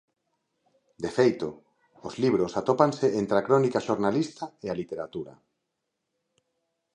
De feito, os libros atópanse entre a crónica xornalista e a literatura.